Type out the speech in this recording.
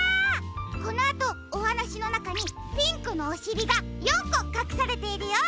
このあとおはなしのなかにピンクのおしりが４こかくされているよ。